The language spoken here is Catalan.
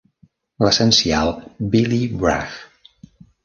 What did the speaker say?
"L'essencial Billy Bragg".